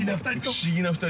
◆不思議な２人。